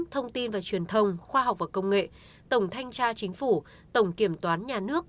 thông tin và truyền thông khoa học và công nghệ tổng thanh tra chính phủ tổng kiểm toán nhà nước